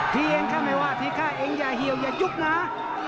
ทีเองข้าไม่ว่าทีข้าเองอย่าเหี่ยวอย่ายุบนะ